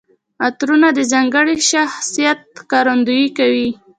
عطرونه د ځانګړي شخصیت ښکارندويي کوي.